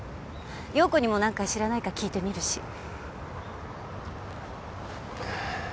陽子にもなんか知らないか聞いてみるし。